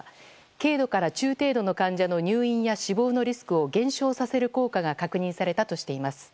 軽度から中程度の患者の入院や死亡のリスクを減少させる効果が確認されたとしています。